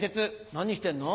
何してんの？